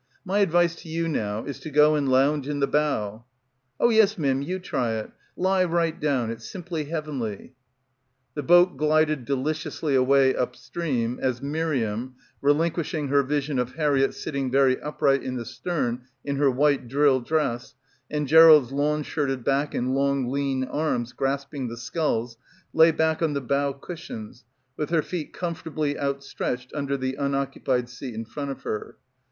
My advice to you now is to go and lounge in the bow." "Oh yes, Mim, you try it. Lie right down. It's simply heavenly." The boat glided deliriously away up stream as Miriam, relinguishing her vision of Harriett sitting very upright in the stern in her white drill dress, and Gerald's lawn shirted back and long lean arms grasping the sculls, lay back on the bow cushions with her feet comfortably outstretched under the unoccupied seat in front of her.